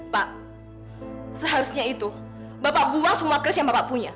pak seharusnya itu bapak buang semua kers yang bapak punya